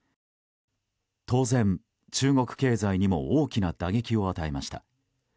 当然、中国経済にも大きな打撃を与えました。